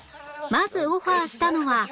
まずオファーしたのは